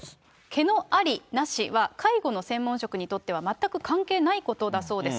毛のあり、なしは、介護の専門職にとっては全く関係ないことだそうです。